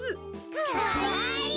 かわいい。